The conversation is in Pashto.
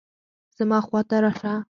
زما خوا ته راشه